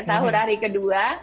sahur hari kedua